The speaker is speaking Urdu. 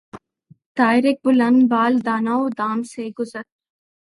طائرک بلند بال دانہ و دام سے گزر